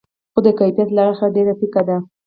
خو د کیفیت له اړخه ډېر پیکه دي.